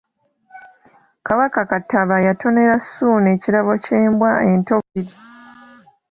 Kabaka Kattaba yatonera Ssuuna ekirabo ky’embwa ento bbiri.